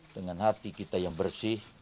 dengan hati kita yang bersih